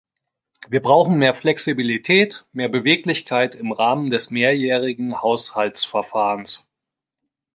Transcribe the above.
Wir brauchen mehr Flexibilität, mehr Beweglichkeit im Rahmen des mehrjährigen Haushaltsverfahrens.